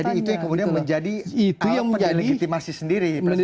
jadi itu yang kemudian menjadi alat delegitimasi sendiri presiden jokowi